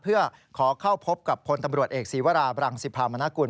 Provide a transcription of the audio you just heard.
เพื่อขอเข้าพบกับพลตำรวจเอกศีวราบรังสิภามณกุล